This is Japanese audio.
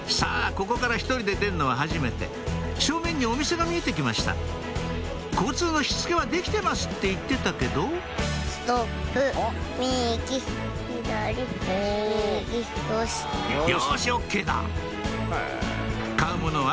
ここから１人で出るのははじめて正面にお店が見えてきました「交通のしつけはできてます」って言ってたけどよしＯＫだ買うものは